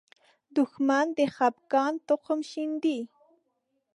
دښمن د خپګان تخم شیندي